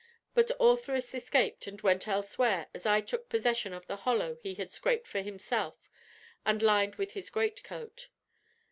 But Ortheris escaped and went elsewhere as I took possession of the hollow he had scraped for himself and lined with his greatcoat.